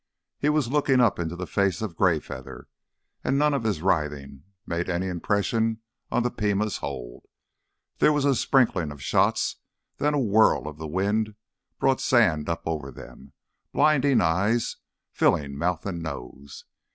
He was looking up into the face of Greyfeather, and none of his writhing made any impression on the Pima's hold. There was a sprinkle of shots; then a whirl of the wind brought sand up over them, blinding eyes, filling mouth and nose.